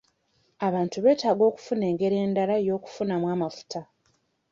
Abantu betaaga okufuna engeri endala y'okufunamu amafuta.